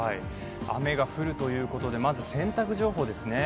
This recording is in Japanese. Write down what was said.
雨が降るといことでまず洗濯情報ですね。